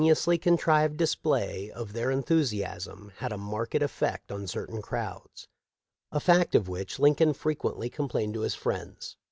iously contrived display of their enthusiasm had a marked effect on certain crowds — a fact of which Lincoln frequently complained to his friends.